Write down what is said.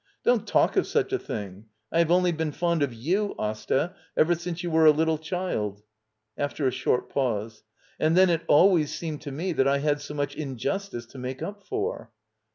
Don't talk of such a thing — I have only been fond of you, Asta, ever since you were a little cjiild. [After a short pause.] And then it always ^^'^med to me that I had so much injustice to make up for.